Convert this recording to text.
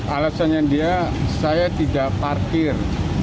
alasannya dia saya tidak parkir